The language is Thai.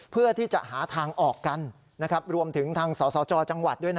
เพื่อที่จะหาทางออกกันรวมถึงทางสสจจังหวัดด้วยนะ